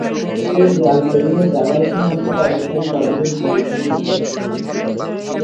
সেই দেয়াল পেরিয়ে যাঁরাই সীমান্ত পার হতেন, তাঁদেরই গুলি খেয়ে মরতে হতো।